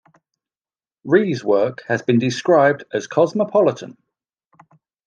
Rie's work has been described as cosmopolitan.